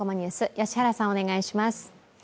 良原さん、お願いします。